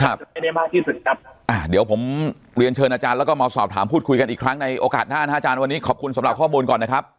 ให้ได้มากที่สุดครับอ่าเดี๋ยวผมเรียนเชิญอาจารย์แล้วก็มาสอบถามพูดคุยกันอีกครั้งในโอกาสหน้านะอาจารย์วันนี้ขอบคุณสำหรับข้อมูลก่อนนะครับ